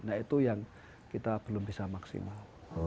nah itu yang kita belum bisa maksimal